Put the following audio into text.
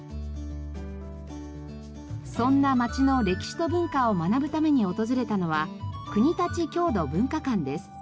そんな町の歴史と文化を学ぶために訪れたのはくにたち郷土文化館です。